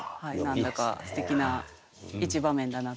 何だかすてきな一場面だなと思って。